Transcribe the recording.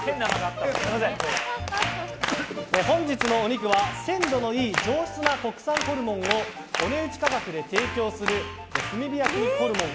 本日のお肉は鮮度のいい上質な国産ホルモンをお値打ち価格で提供する炭火焼肉ホルモン